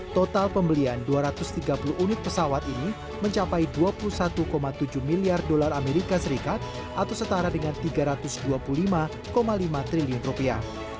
total pembelian dua ratus tiga puluh unit pesawat ini mencapai dua puluh satu tujuh miliar dolar amerika serikat atau setara dengan tiga ratus dua puluh lima lima triliun rupiah